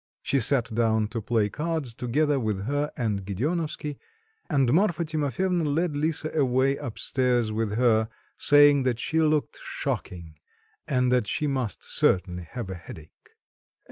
She sat down to play cards together with her and Gedeonovsky, and Marfa Timofyevna led Lisa away up stairs with her, saying that she looked shocking, and that she must certainly have a headache.